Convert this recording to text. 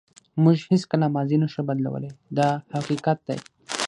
موږ هیڅکله ماضي نشو بدلولی دا حقیقت دی.